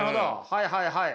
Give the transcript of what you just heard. はいはいはい。